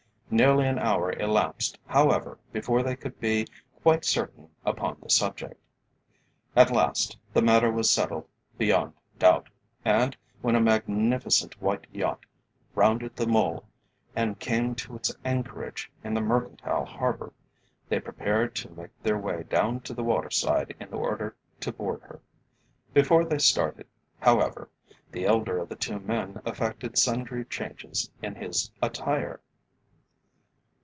Nearly an hour elapsed, however, before they could be quite certain upon the subject. At last the matter was settled beyond doubt, and when a magnificent white yacht rounded the Mole and came to its anchorage in the Mercantile Harbour, they prepared to make their way down to the water side in order to board her. Before they started, however, the elder of the two men effected sundry changes in his attire.